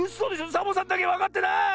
⁉サボさんだけわかってない！